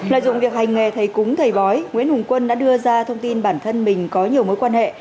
lợi dụng việc hành nghề thầy cúng thầy bói nguyễn hùng quân đã đưa ra thông tin bản thân mình có nhiều mối quan hệ